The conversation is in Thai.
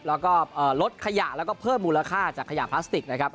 แล้วก็ลดขยะแล้วก็เพิ่มมูลค่าจากขยะพลาสติกนะครับ